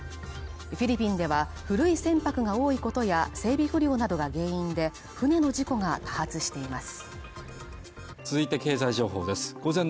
フィリピンでは古い船舶が多いことや、整備不良などが原因で船の事故が多発しています。